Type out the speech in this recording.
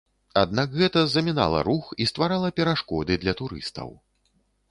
Аднак гэта замінала рух і стварала перашкоды для турыстаў.